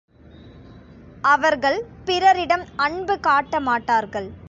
அவர்கள் பிறரிடம் அன்பு காட்டமாட்டார்கள்.